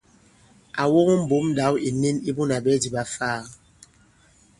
À woŋo mbǒm ndǎw ìnin i Bunà Ɓɛdì ɓa Ifaa.